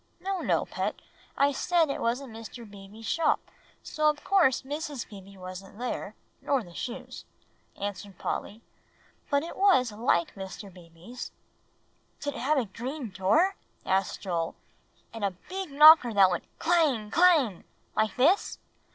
"No, no, Pet; I said it wasn't Mr. Beebe's shop, so of course Mrs. Beebe wasn't there, nor the shoes," answered Polly; "but it was like Mr. Beebe's." "Did it have a green door?" asked Joel, "and a big knocker that went clang clang like this?"